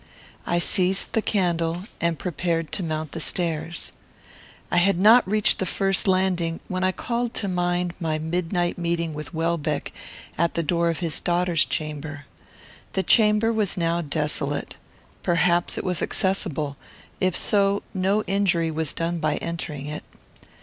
I seized the candle and prepared to mount the stairs. I had not reached the first landing when I called to mind my midnight meeting with Welbeck at the door of his daughter's chamber. The chamber was now desolate; perhaps it was accessible; if so, no injury was done by entering it.